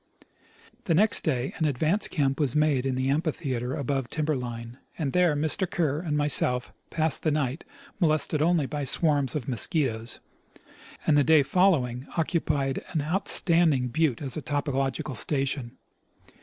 The next day an advance camp was made in the amphitheatre above timber line, and there Mr. Kerr and myself passed the night, molested only by swarms of mosquitoes, and the day fol lowing occupied an outstanding butte as a topographical station.